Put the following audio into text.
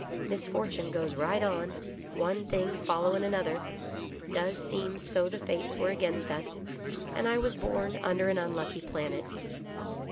Misfortune goes right on, one thing followin another; does seem's so the Fates were against us, and I was born under an unlucky planet.